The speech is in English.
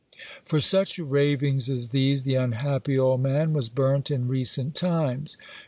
For such ravings as these the unhappy old man was burnt in recent times.